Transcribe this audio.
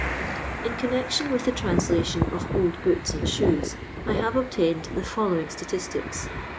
In connection with the translation of old boots and shoes, I have obtained the following statistics.